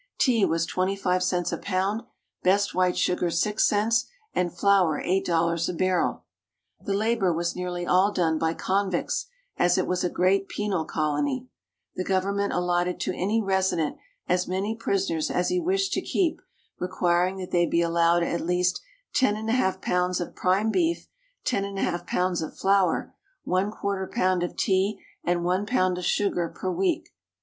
Tea was 25 cents a pound, best white sugar 6 cents, and flour $8 a barrel. The labor was nearly all done by convicts, as it was a great penal colony ; the government allotted to any resi dent as many prisoners as he wished to keep, requiring that they be allowed at least 101/2 pounds of prime beef, 10% pounds of flour, 1/4 pound of tea, and 1 pound of sugar per week.